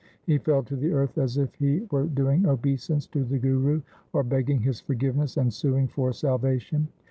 He fell to the earth as if he were doing obeisance to the Guru, or begging his forgiveness and suing for salvation.